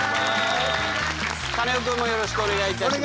カネオくんもよろしくお願いいたします。